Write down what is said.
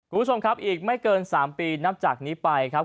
คุณผู้ชมครับอีกไม่เกิน๓ปีนับจากนี้ไปครับ